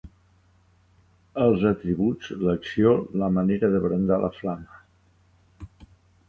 ...els atributs, l'acció, la manera de brandar la flama.